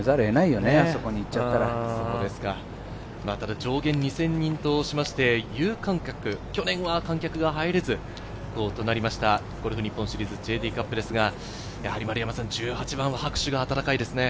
上限２０００人としまして有観客、去年は観客が入れずとなりましたゴルフ日本シリーズＪＴカップですが、１８番は拍手が温かいですね。